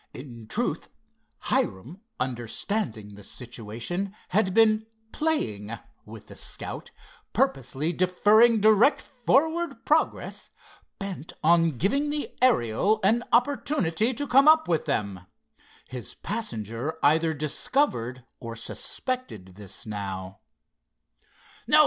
In truth, Hiram, understanding the situation, had been "playing" with the Scout, purposely deferring direct forward progress, bent on giving the Ariel an opportunity to come up with them. His passenger either discovered or suspected this now.